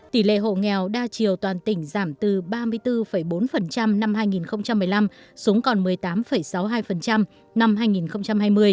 tỷ lệ hộ nghèo đa chiều toàn tỉnh giảm từ ba mươi bốn bốn năm hai nghìn một mươi năm xuống còn một mươi tám sáu mươi hai năm hai nghìn hai mươi